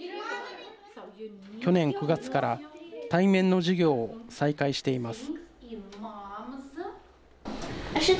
去年９月から対面の授業を再開しています。